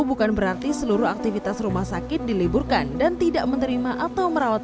bukan berarti seluruh aktivitas rumah sakit diliburkan dan tidak menerima atau merawat